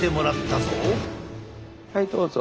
はいどうぞ。